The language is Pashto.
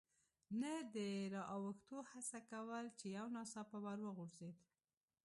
نه د را اوښتو هڅه کول، چې یو ناڅاپه ور وغورځېد.